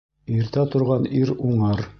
Иртә торған ир уңыр.